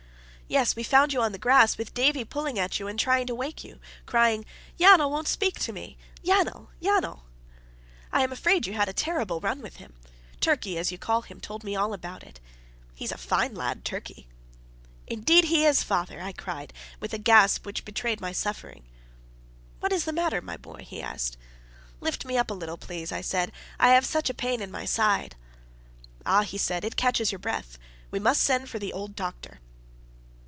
"Yes; we found you on the grass, with Davie pulling at you and trying to wake you, crying, 'Yanal won't peak to me. Yanal! Yanal!' I am afraid you had a terrible run with him. Turkey, as you call him, told me all about it. He's a fine lad Turkey!" "Indeed he is, father!" I cried with a gasp which betrayed my suffering. "What is the matter, my boy?" he asked. "Lift me up a little, please," I said, "I have such a pain in my side!" "Ah!" he said, "it catches your breath. We must send for the old doctor."